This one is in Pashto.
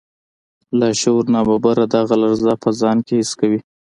لاشعور ناببره دغه لړزه په ځان کې حس کوي